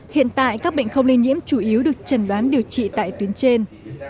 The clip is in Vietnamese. hiện tại các bệnh không lây nhiễm chủ yếu được trần đoán điều trị tại tuyến trên